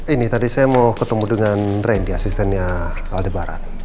ini tadi saya mau ketemu dengan rendy asistennya aldebaran